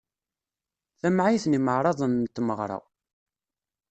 Tamɛayt n imeɛraḍen n tmeɣra.